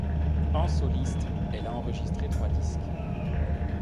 En soliste, elle a enregistré trois disques.